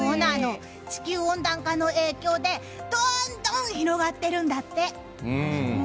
地球温暖化の影響でどんどん広がってるんだって。